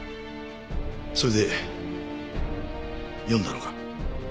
それで読んだのか？